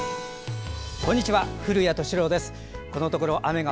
こんにちは。